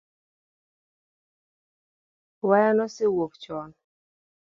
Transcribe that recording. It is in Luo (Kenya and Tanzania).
Waya nosewuok chon